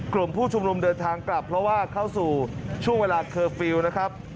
กลุ่มผู้ชุมนุมเดินทางกลับเพราะว่าเข้าสู่ช่วงเวลาเคอร์ฟิลล์นะครับ